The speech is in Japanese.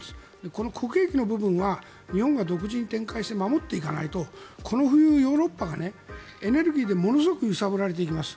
この国益の部分は日本が独自に展開して守っていかないとこの冬、ヨーロッパがエネルギーでものすごく揺さぶられていきます。